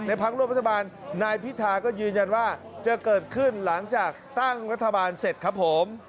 พักร่วมรัฐบาลนายพิธาก็ยืนยันว่าจะเกิดขึ้นหลังจากตั้งรัฐบาลเสร็จครับผม